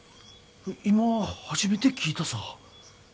今初めて聞いたさ。